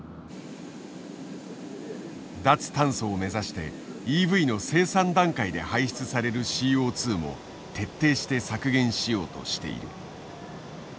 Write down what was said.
脱炭素を目指してＥＶの生産段階で排出されるＣＯも徹底して削減しようとしている。